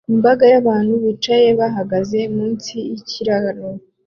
Imbaga y'abantu bicaye bahagaze munsi yikiraro